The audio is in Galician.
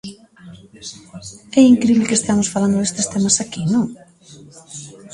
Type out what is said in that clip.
É incrible que esteamos falando destes temas aquí, ¿non?